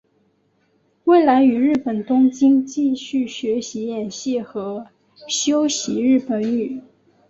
未来于日本东京继续学习演戏和修习日本语。